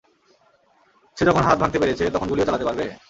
সে যখন হাত ভাঙতে পেরেছে, তখন গুলিও চালাতে পারবে?